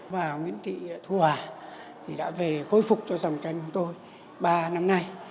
và nguyễn thị thù hòa thì đã về khôi phục cho dòng tranh của tôi ba năm nay